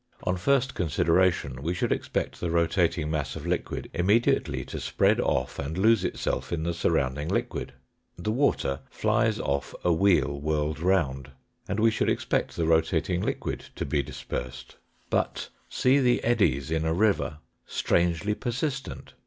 On first consideration we should expect the rotating mass of liquid immediately to spread off and lose itself in the surrounding liquid. The water flies off a wheel whirled round, and we should expect the rotating liquid to be dispersed. But see the eddies in a river strangely per sistent.